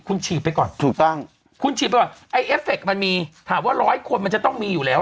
คุณฉีดไปก่อนถูกต้องคุณฉีดไปก่อนไอ้เอฟเฟคมันมีถามว่าร้อยคนมันจะต้องมีอยู่แล้ว